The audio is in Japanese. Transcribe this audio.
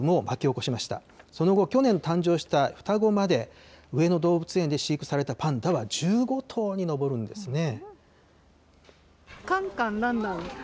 その後、去年誕生した双子まで上野動物園で飼育されたパンダは１５頭に上るんですね。